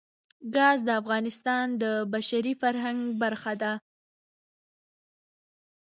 ګاز د افغانستان د بشري فرهنګ برخه ده.